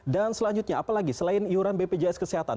dan selanjutnya apalagi selain iuran bpjs kesehatan